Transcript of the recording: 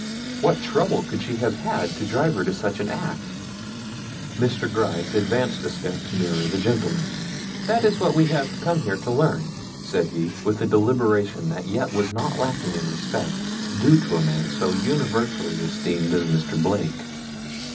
What trouble could she have had to drive her to such an act?" Mr. Gryce advanced a step nearer the gentleman. "That is what we have come here to learn," said he with a deliberation that yet was not lacking in the respect due to a man so universally esteemed as Mr. Blake.